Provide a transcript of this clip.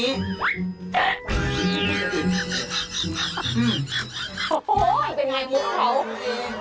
โอ้โฮเป็นอย่างไรมุกเขา